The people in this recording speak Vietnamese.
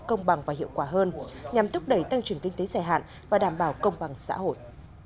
công bằng và hiệu quả hơn nhằm thúc đẩy tăng trưởng kinh tế dài hạn và đảm bảo công bằng xã hội